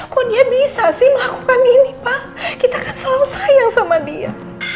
kok dia bisa sih melakukan ini pak kita akan selalu sayang sama dia